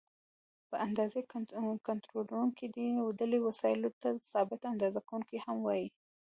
ب: د اندازې کنټرولوونکي: دې ډلې وسایلو ته ثابته اندازه کوونکي هم وایي.